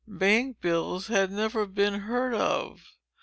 Bank bills had never been heard of.